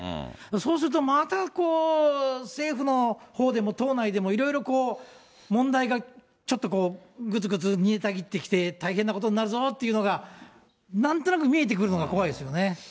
そうすると、また政府のほうでも党内でも、いろいろ問題がちょっと、ぐつぐつ煮えたぎってきて大変なことになるぞっていうのが、なんとなく見えてくるのが怖いですよね。